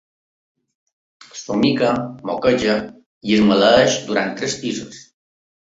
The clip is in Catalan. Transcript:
Somica, moqueja i es maleeix durant tres pisos.